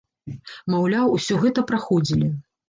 Маўляў, усё гэта праходзілі.